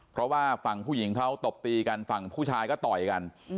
เพราะว่าฝั่งผู้หญิงเขาตบตีกันฝั่งผู้ชายก็ต่อยกัน